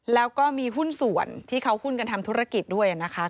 แล้วก็มีหุ้นส่วนที่เขาหุ้นกันทำธุรกิจด้วยนะคะ